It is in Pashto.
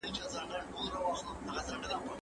زه به سبا مېوې راټولوم وم؟!